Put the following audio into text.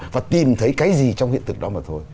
và tìm thấy cái gì trong hiện thực đó mà thôi